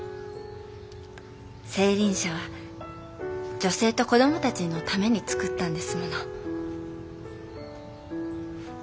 青凜社は女性と子どもたちのために作ったんですもの。